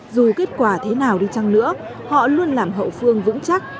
dù kết quả thế nào đi chăng nữa họ luôn làm hậu phương vững chắc